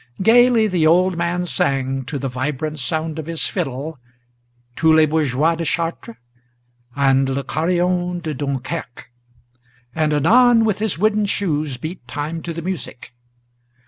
Gayly the old man sang to the vibrant sound of his fiddle, Tous les Bourgeois de Chartres, and Le Carillon de Dunkerque, And anon with his wooden shoes beat time to the music.